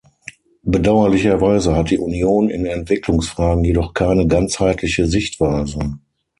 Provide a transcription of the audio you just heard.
Bedauerlicherweise hat die Union in Entwicklungsfragen jedoch keine ganzheitliche Sichtweise.